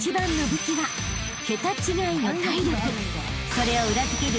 ［それを裏付ける］